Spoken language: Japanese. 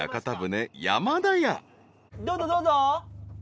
どうぞどうぞ。